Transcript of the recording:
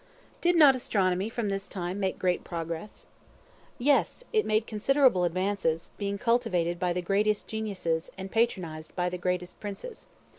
Did not Astronomy from this time make great progress? Yes; it made considerable advances, being cultivated by the greatest geniuses, and patronized by the greatest princes.